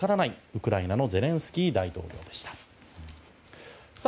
ウクライナのゼレンスキー大統領でした。